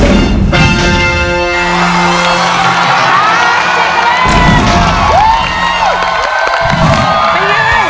เป็นไงมีแจ้งต่อเลย